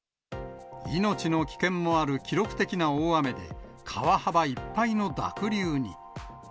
命の危険もある記録的な大雨で、川幅いっぱいの濁流に。